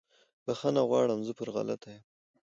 بخښنه غواړم زه پر غلطه یم